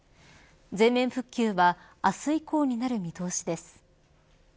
全面復旧は明日以降になる見通しです。